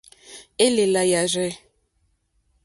Élèlà yârzɛ̂.